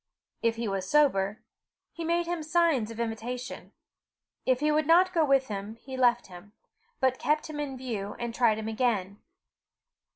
If he was sober, he made him signs of invitation. If he would not go with him, he left him, but kept him in view, and tried him again.